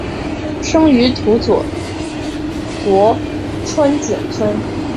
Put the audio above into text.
生于土佐国吹井村。